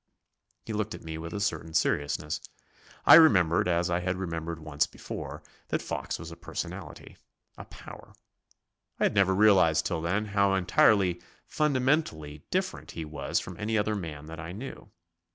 He looked at me with a certain seriousness. I remembered, as I had remembered once before, that Fox was a personality a power. I had never realised till then how entirely fundamentally different he was from any other man that I knew.